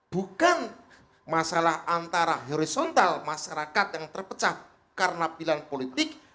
bukan masalah antara horizontal masyarakat yang terpecah karena pilihan politik